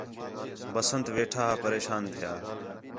بسنٹ ویٹھا ہا پریشان تِھیا